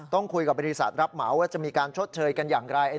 ต้องคุยกับบริษัทรับเหมาว่าจะมีการชดเชยกันอย่างไร